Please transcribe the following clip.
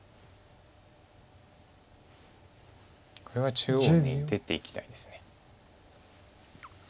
これは中央に出ていきたいです。